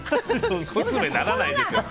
コスメはならないでしょ。